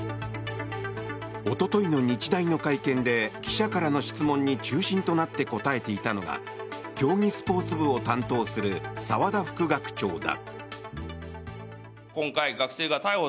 一昨日の日大の会見で記者からの質問に中心となって答えていたのが競技スポーツ部を担当する澤田副学長だ。